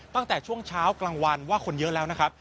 ตั้งแต่ช่วงเช้ากลางวันว่าคนเยอะแล้วนะครับ